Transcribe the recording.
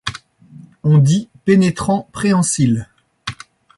On dit « pénétrant-préhensile ».